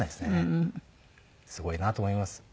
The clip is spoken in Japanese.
すごいなと思います。